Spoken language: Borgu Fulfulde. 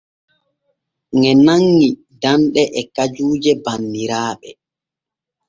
Ŋe nanŋi danɗe e kajuuje banniraaɓe.